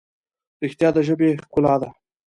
رښتیا د ژبې ښکلا ده.